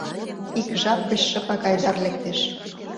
Ик жап гыч шыпак Айдар лектеш.